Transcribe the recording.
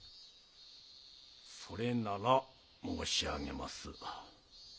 それなら申し上げます。